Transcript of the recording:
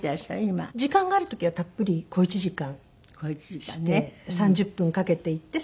時間がある時はたっぷり小一時間して３０分かけて行って３０分。